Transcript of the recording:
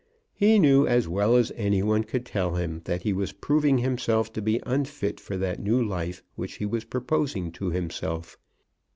He knew as well as any one could tell him that he was proving himself to be unfit for that new life which he was proposing to himself.